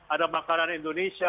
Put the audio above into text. ada makanan indonesia